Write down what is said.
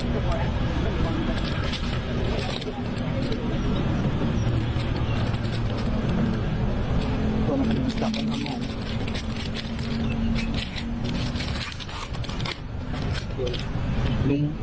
พี่ภาพน่าจะบอกเรื่อง